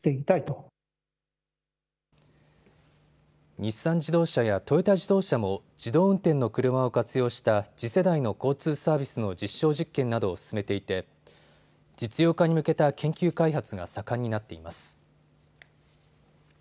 日産自動車やトヨタ自動車も自動運転の車を活用した次世代の交通サービスの実証実験などを進めていて実用化に向けた研究開発が盛んになっています。